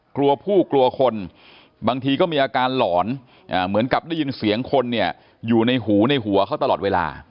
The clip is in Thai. กลัวผู้กลัวคนบางทีก็มีอาการหลอนเหมือนกับได้ยินเสียงคนเนี่ยอยู่ในหูในหัวเขาตลอดเวลา